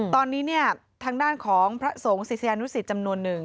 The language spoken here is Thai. ตอนนี้เนี่ยทางด้านของพระสงฆ์ศิษยานุสิตจำนวนหนึ่ง